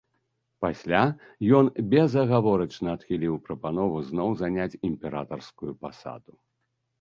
Пасля ён безагаворачна адхіліў прапанову зноў заняць імператарскую пасаду.